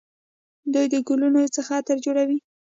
دوی د ګلونو څخه عطر جوړوي.